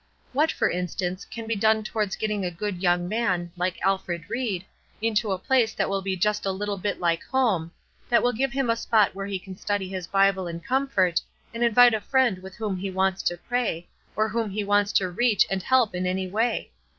What, for instance, can be done towards getting a good young man, like Alfred Ried, into a place that will be just a little bit like a home; that will give him a spot where he can study his Bible in comfort, and invite a friend with whom he wants to pray, or whom he wants to reach and help in any way?